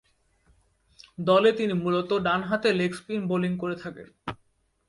দলে তিনি মূলতঃ ডানহাতে লেগ স্পিন বোলিং করে থাকেন।